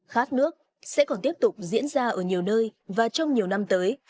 khát nước sẽ còn tiếp tục diễn ra ở nhiều nơi và trong nhiều năm tới